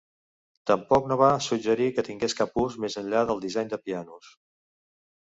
Tampoc no va suggerir que tingués cap ús més enllà del disseny de pianos.